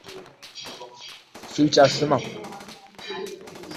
va odamlarni undan foydalanmaslikka chaqiribdi.